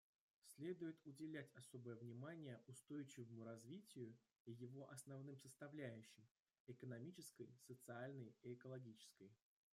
Следует уделять особое внимание устойчивому развитию и его основным составляющим — экономической, социальной и экологической.